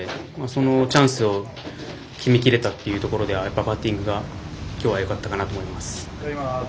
そのチャンスを決めきれたっていうところでパッティングがきょうはよかったかなと思います。